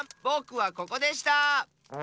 ぼくはここでした！